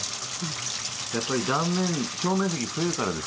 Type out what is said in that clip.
やっぱり断面表面積増えるからですかね？